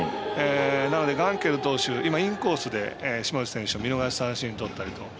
なので、ガンケル投手今、インコースで島内選手、見逃し三振とったりと。